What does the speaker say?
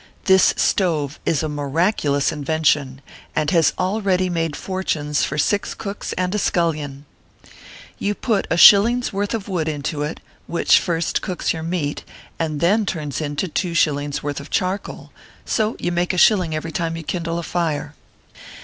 This stove is a miraculous invention, and has already made for tunes for six cooks and a scullion. You put a shil ling s worth of wood into it, which first cooks your meat and then turns into two shilling s worth of char 108 ORPHEUS C. KERR PAPERS. coal ; so you make a shilling every time you kindle a fire.